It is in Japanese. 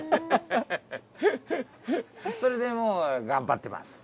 それでもう頑張ってます。